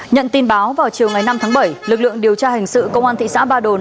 nhận tin báo vào chiều ngày năm tháng bảy lực lượng điều tra hình sự công an thị xã ba đồn